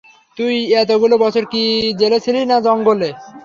তুই এতগুলো বছর কি জেলে ছিলি না জঙ্গলে?